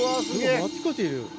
あちこちいる。